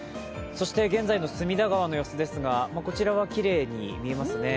現在の隅田川の様子ですが、こちらはきれいに見えますね。